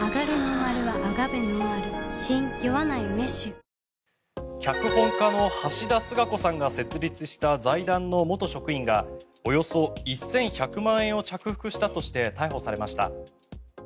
光のキッチンザ・クラッソ脚本家の橋田壽賀子さんが設立した財団の元職員がおよそ１１００万円を着服したとして逮捕されました。